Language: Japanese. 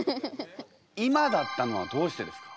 今だったのはどうしてですか？